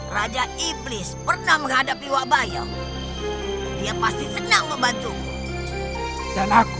raja iblis pernah menghadapi wakbayau